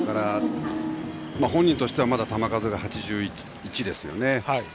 本人としてはまだ球数が８１ですよね。